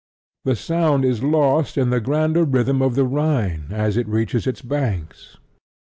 The sound is lost in the grander rhythm of the Rhine as he reaches its banks.